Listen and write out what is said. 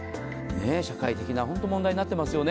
社会的な問題になっていますよね。